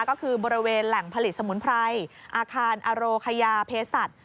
ก็คือบริเวณแหล่งผลิตสมุนไพรอาคารอโรคยาเพศัตริย์